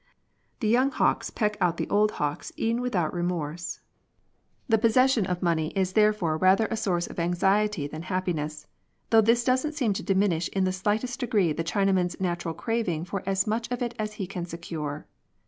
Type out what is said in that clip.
The young hawks peck out the old hawks' e'en without remorse. MONEY. 149 The possession of money is therefore rather a source of anxiety than happiness, though this doesn't seem to diminish in the slightest degree the Chinaman's natural craving for as much of it as he can secure.